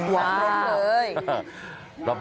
ว้าว